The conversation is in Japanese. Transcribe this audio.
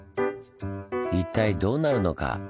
一体どうなるのか？